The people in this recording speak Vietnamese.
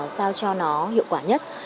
sao cho nó hiệu quả nhất